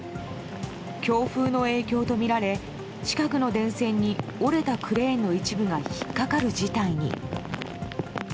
強風の影響とみられ近くの電線に折れたクレーンの一部が引っかかる事態に。